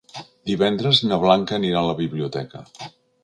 Divendres na Blanca anirà a la biblioteca.